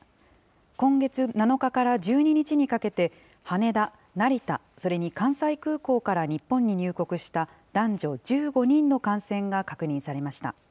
今月７日から１２日にかけて、羽田、成田、それに関西空港から日本に入国した男女１５人の感染が確認されました。